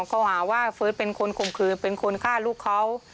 เขาหาว่าเฟิร์สเป็นคนข่มขืนเป็นคนฆ่าลูกเขา